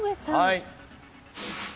はい。